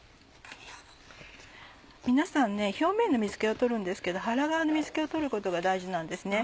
皆さんね表面の水気を取るんですけど腹側の水気を取ることが大事なんですね。